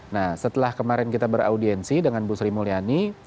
nah setelah kemarin kita beraudiensi dengan bu sri mulyani